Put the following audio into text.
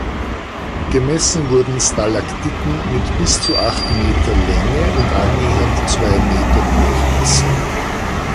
Gemessen wurden Stalaktiten mit bis zu acht Meter Länge und annähernd zwei Meter Durchmesser.